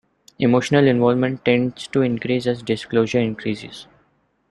Emotional involvement tends to increase as disclosure increases.